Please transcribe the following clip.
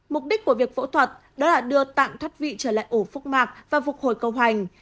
mục đích của việc phẫu thuật đó là đưa tạng thoát vị trở lại ổ phúc mạc và phục hồi câu hoành